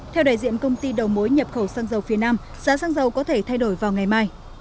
theo đại diện công ty đầu mối nhập khẩu xăng dầu phía nam giá xăng dầu có thể thay đổi vào ngày mai